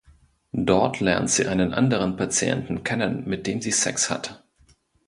Dort lernt sie einen anderen Patienten kennen, mit dem sie Sex hat.